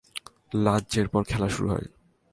লাঞ্চের পর খেলা শুরু হয়।